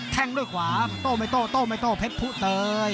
แทงด้วยขวาโตไม่โตโตไม่โตเพชภเตรย